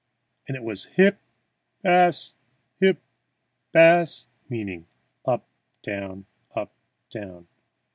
And it was "Hip!" "Bas!" "Hip!" "Bas!" ("Up!" "Down!" "Up!" "Down!")